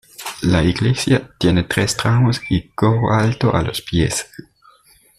La iglesia tiene tres tramos y coro alto a los pies.